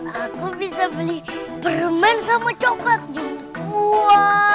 aku bisa beli permen sama coklat juga